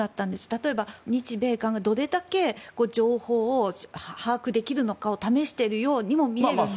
例えば、日米韓がどれだけ情報を把握できるのかを試しているようにも見えるんですが。